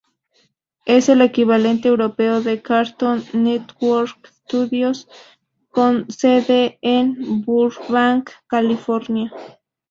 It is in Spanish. Es el equivalente europeo de Cartoon Network Studios, con sede en Burbank, California.